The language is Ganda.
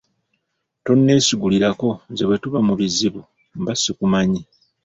Tonneesigulirako nze bwe tuba mu bizibu mba sikumanyi.